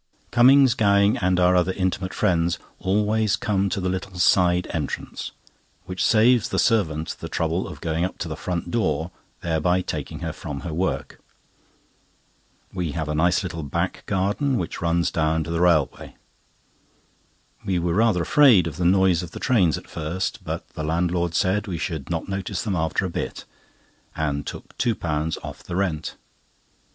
Cummings, Gowing, and our other intimate friends always come to the little side entrance, which saves the servant the trouble of going up to the front door, thereby taking her from her work. We have a nice little back garden which runs down to the railway. We were rather afraid of the noise of the trains at first, but the landlord said we should not notice them after a bit, and took £2 off the rent.